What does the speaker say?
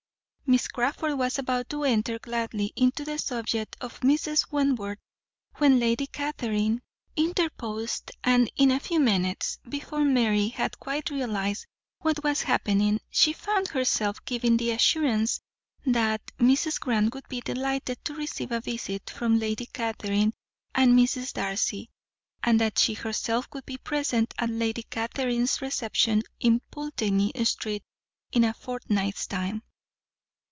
Miss Crawford was about to enter gladly into the subject of Mrs. Wentworth, when Lady Catherine interposed, and in a few minutes, before Mary had quite realized what was happening, she found herself giving the assurance that Mrs. Grant would be delighted to receive a visit from Lady Catherine and Mrs. Darcy, and that she herself would be present at Lady Catherine's reception in Pulteney Street in a fortnight's time.